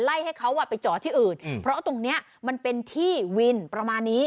ให้เขาไปจอดที่อื่นเพราะตรงเนี้ยมันเป็นที่วินประมาณนี้